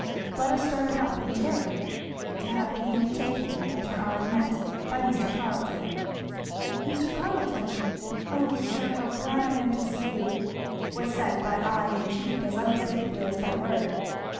Fleda started up in terror, to have the hand taken and her eye met by Mr. Carleton. "Mr. Carleton! O sir, how glad I am to see you!" was said by eye and cheek as unmistakably as by word.